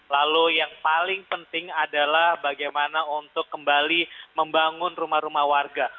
lalu yang paling penting adalah bagaimana untuk kembali membangun rumah rumah warga